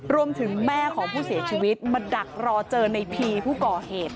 รวมถึงแม่ของผู้เสียชีวิตมาดักรอเจอในพีภูเกาะเหตุ